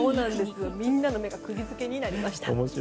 みんなの目が釘付けになりました。